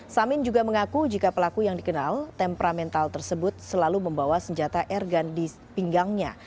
samin juga mengaku jika pelaku yang dikenal temperamental tersebut selalu membawa senjata airgun di pinggangnya